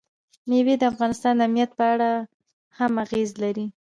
مېوې د افغانستان د امنیت په اړه هم اغېز لري.